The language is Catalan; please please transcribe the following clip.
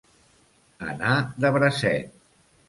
Anar de bracet.